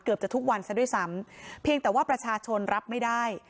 จะทุกวันซะด้วยซ้ำเพียงแต่ว่าประชาชนรับไม่ได้